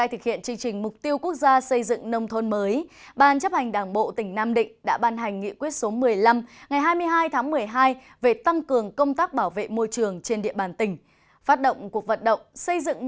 thực hiện các biện pháp giảm thiểu chất thải đúng quy định